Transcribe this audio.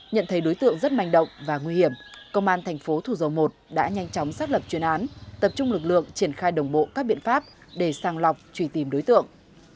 nhận thấy đối tượng rất manh động và nguy hiểm công an thành phố thủ dầu một đã nhanh chóng xác lập chuyên án tập trung lực lượng triển khai đồng bộ các biện pháp để sang lọc truy tìm đối tượng